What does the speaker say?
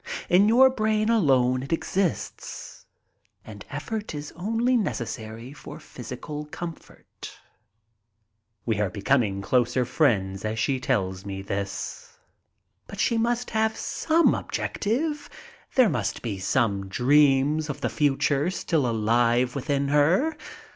"In your brain alone it exists and effort is only necessary for physical comfort." We are becoming closer friends as she tells me this. But she must have some objective, there must be some MY VISIT TO GERMANY 121 dreams of the future still alive within her.